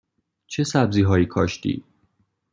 چه سبزی هایی کاشتی؟